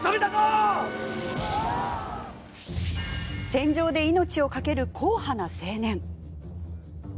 戦場で命を懸ける硬派な青年。